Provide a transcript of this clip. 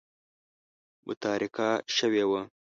متارکه شوې وه.